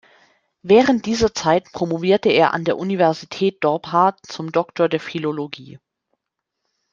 Während dieser Zeit promovierte er an der Universität Dorpat zum Doktor der Philologie.